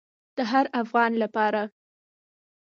د هر افغان لپاره.